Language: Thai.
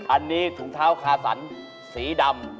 อันนี้ถุงเท้าคาสันสีดำ